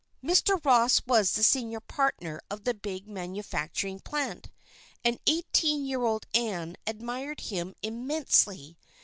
Mr. Ross was the senior partner of the big manufacturing plant, and eighteen year old Ann admired him immensely.